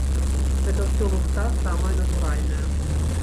Гэта ўсё лухта самая натуральная.